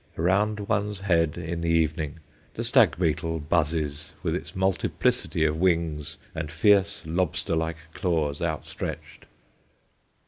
Around one's head in the evening the stag beetle buzzes with its multiplicity of wings and fierce lobster like claws out stretched.